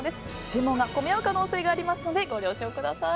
注文が混み合う可能性がありますのでご了承ください。